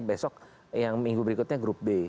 besok yang minggu berikutnya grup b